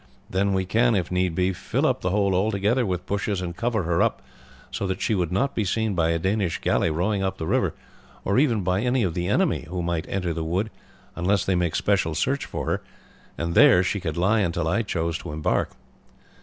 Then we can, if needs be, fill up the hole altogether with bushes, and cover her up, so that she would not be seen by a Danish galley rowing up the river, or even by any of the enemy who might enter the wood, unless they made special search for her; and there she could lie until I chose to embark."